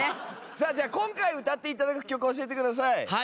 さあじゃあ今回歌って頂く曲を教えてください。